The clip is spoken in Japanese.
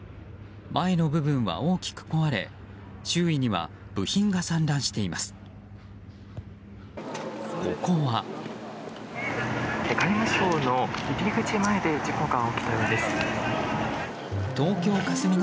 前の部分は大きく壊れ周囲には部品が散乱しています。